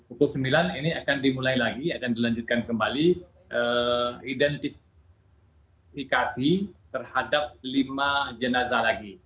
pukul sembilan ini akan dimulai lagi akan dilanjutkan kembali identifikasi terhadap lima jenazah lagi